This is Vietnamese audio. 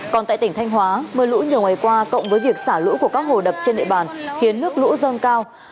còn tại tỉnh thanh hóa mưa lũ nhiều ngày qua cộng với việc xả lũ của các hồ đập trên địa bàn khiến nước lũ dâng cao